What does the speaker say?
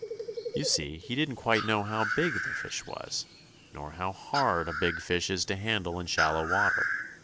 You see, he didn't quite know how big the fish was, nor how hard a big fish is to handle in shallow water.